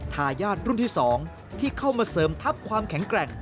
ทายาทรุ่นที่๒ที่เข้ามาเสริมทัพความแข็งแกร่ง